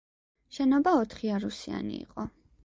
შენობა ოთხიარუსიანი იყო.